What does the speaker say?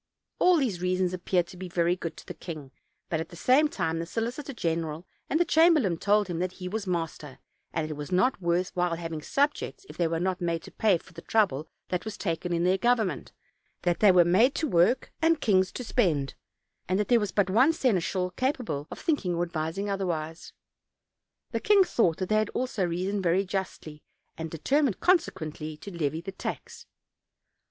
All these rea sons appeared very good to the king; but, at the same OLD, OLD FAIRY TALES. 263 lime, the solicitor general and the chamberlain told him that he was master; that it was not worth while having subjects if they were not made to pay for the trouble that was taken in their government; that they were made to work and kings to spend; and that there was but one seneschal capable of thinking or advising otherwise. The king thought that they also reasoned very justly, and determined, consequently, to levy the tax.